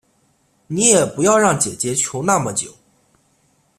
你也不要让姐姐求那么久